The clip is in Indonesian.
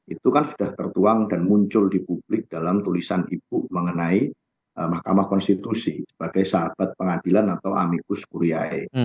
itu kan sudah tertuang dan muncul di publik dalam tulisan ibu mengenai mahkamah konstitusi sebagai sahabat pengadilan atau amikus kuriae